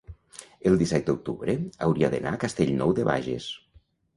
el disset d'octubre hauria d'anar a Castellnou de Bages.